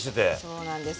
そうなんです。